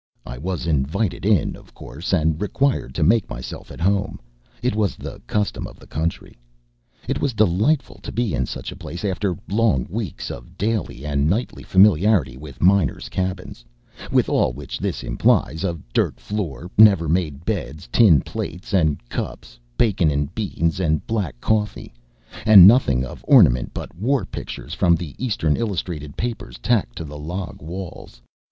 I was invited in, of course, and required to make myself at home it was the custom of the country. It was delightful to be in such a place, after long weeks of daily and nightly familiarity with miners' cabins with all which this implies of dirt floor, never made beds, tin plates and cups, bacon and beans and black coffee, and nothing of ornament but war pictures from the Eastern illustrated papers tacked to the log walls.